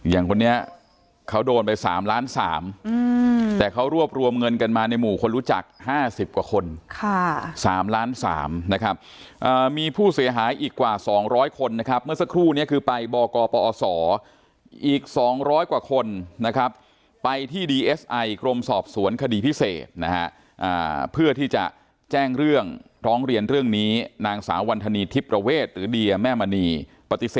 อย่างคนนี้เขาโดนไปสามล้านสามอืมแต่เขารวบรวมเงินกันมาในหมู่คนรู้จักห้าสิบกว่าคนค่ะสามล้านสามนะครับอ่ามีผู้เสียหายอีกกว่าสองร้อยคนนะครับเมื่อสักครู่เนี้ยคือไปบกปศอีกสองร้อยกว่าคนนะครับไปที่ดีเอสไอกรมสอบสวนคดีพิเศษนะฮะอ่าเพื่อที่จะแจ้งเรื่องท้องเรียนเรื่องนี้นางสาววรรษณีย์ทิ